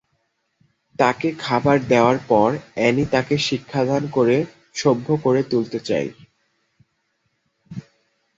তাকে খাবার দেওয়ার পর অ্যানি তাকে শিক্ষাদান করে সভ্য করে তুলতে চায়।